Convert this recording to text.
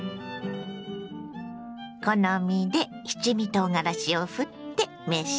好みで七味とうがらしをふって召し上がれ。